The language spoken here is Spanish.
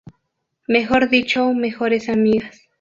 Mejor dicho mejores amigas.